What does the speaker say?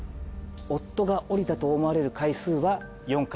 夫が降りたと思われる階数は４階。